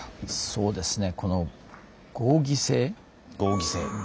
そうですね。